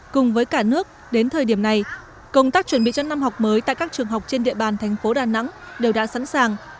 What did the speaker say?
cùng với cả nước đến thời điểm này công tác chuẩn bị cho năm học mới tại các trường học trên địa bàn thành phố đà nẵng đều đã sẵn sàng